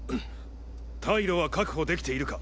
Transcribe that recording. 退路は確保できているか？